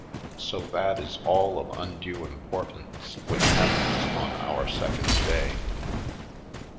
So that is all of undue importance which happens on our second day.